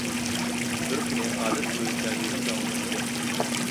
بىر كۈنى ئادەت بويىچە يىغىن داۋاملاشتى.